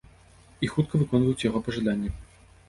І хутка выконваюць яго пажаданне.